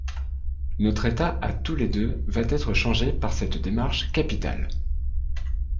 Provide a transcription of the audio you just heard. Notre état à tous les deux va être changé par cette démarche capitale.